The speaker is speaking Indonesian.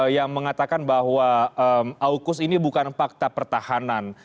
yang mengatakan bahwa aukus ini bukan fakta pertahanan